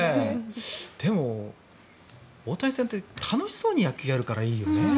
でも、大谷さんって楽しそうに野球をやるからいいよね。